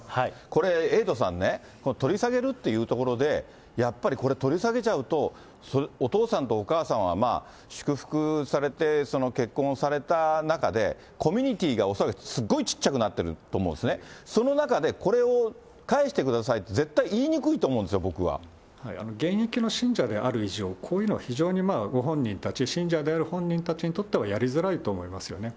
これエイトさんね、取り下げるというところで、やっぱりこれ、取り下げちゃうと、お父さんとお母さんは、祝福されて結婚された中で、コミュニティーが恐らくすごい小っちゃくなってると思うんですね、その中で、これを返してくださいって、絶対言いにくいと思うんで現役の信者である以上、こういうのは非常にご本人たち、信者である本人たちにとっては、やりづらいと思いますよね。